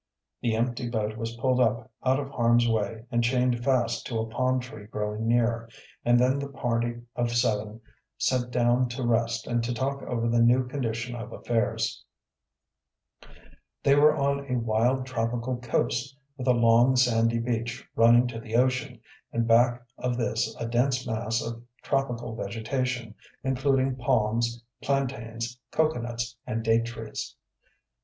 The empty boat was pulled up out of harm's way and chained fast to a palm tree growing near, and then the party of seven sat down to rest and to talk over the new condition of affairs. They were on a wild, tropical coast, with a long, sandy beach running to the ocean, and back of this a dense mass of tropical vegetation, including palms, plantains, cocoanuts, and date trees.